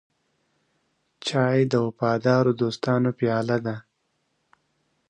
چای د وفادارو دوستانو پیاله ده.